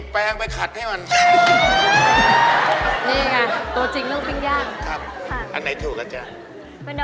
โปรดติดตามตอนต่อไป